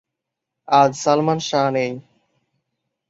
আজ সালমান শাহ নেই।